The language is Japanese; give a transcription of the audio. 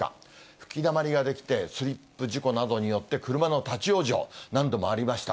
吹きだまりが出来て、スリップ事故などによって、車の立往生、何度もありました。